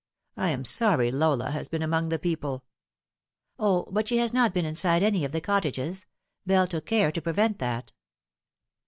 I am sorry Lola has been among the people." " O, but she has not been inside any of the cottages. Bell took care to prevent that."